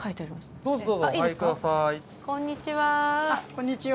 こんにちは。